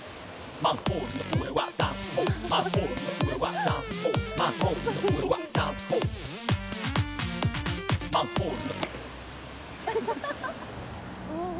マンホールの上はダンスホール